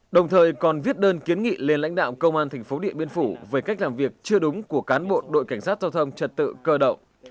đồng thời còn viết đơn kiến nghị lên lãnh đạo công an thành phố điện biên phủ về cách làm việc chưa đúng của cán bộ đội cảnh sát giao thông trật tự cơ động